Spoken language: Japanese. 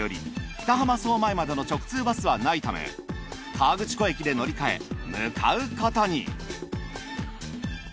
北浜荘前までの直通バスはないため河口湖駅で乗り換え向かうことに。